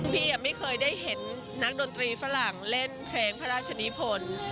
พี่ไม่เคยได้เห็นนักดนตรีฝรั่งเล่นเพลงพระราชนิพล